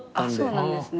そうなんですね。